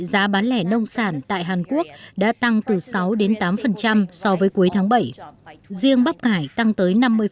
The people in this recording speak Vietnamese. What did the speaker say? giá bán lẻ nông sản tại hàn quốc đã tăng từ sáu đến tám so với cuối tháng bảy riêng bắp cải tăng tới năm mươi